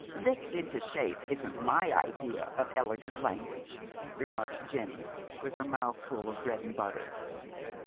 " Licked into shape isn't m9/ idea of elegant language," remarks Jenny, with her mouth full of bread and butter.